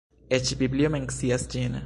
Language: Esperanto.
Eĉ Biblio mencias ĝin.